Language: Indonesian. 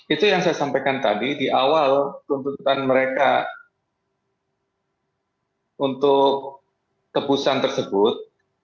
itu yang saya sampaikan tadi di awal tuntutan mereka untuk tebusan tersebut